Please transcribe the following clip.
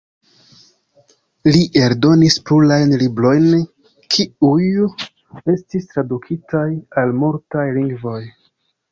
Li eldonis plurajn librojn, kiuj estis tradukitaj al multaj lingvoj.